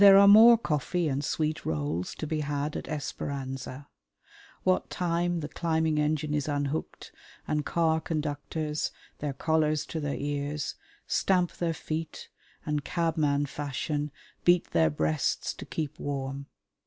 There are more coffee and sweet rolls to be had at Esperanza, what time the climbing engine is unhooked and car conductors their collars to their ears stamp their feet and, cabman fashion, beat their breasts to keep warm.